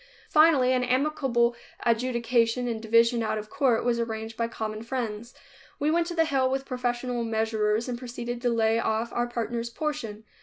Finally an amicable adjudication and division out of court was arranged by common friends. We went to the hill with professional measurers and proceeded to lay off our partner's portion.